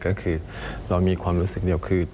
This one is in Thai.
ก็คือเรามีความรู้สึกเดียวคือ